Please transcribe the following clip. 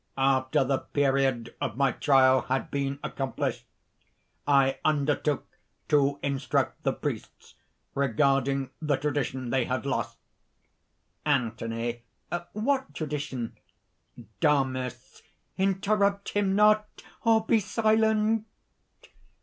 "After the period of my trial had been accomplished, I undertook to instruct the priests regarding the tradition they had lost." ANTHONY. "What tradition?" DAMIS. "Interrupt him not! Be silent!"